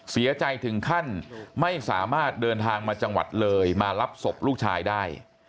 เสียใจถึงขั้นไม่สามารถเดินทางมาจังหวัดเลยมารับศพลูกชายได้